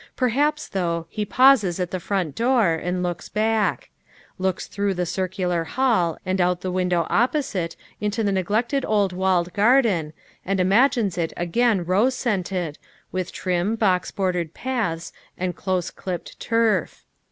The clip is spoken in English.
Perhaps, though, he pauses at the front door and looks back. Looks through the circular hall and out the win dow opposite into the neglected old walled garden, and imagines it again rose scented, with trim, box bordered paths and close clipped turf.